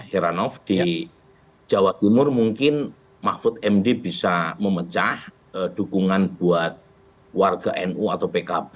heranov di jawa timur mungkin mahfud md bisa memecah dukungan buat warga nu atau pkb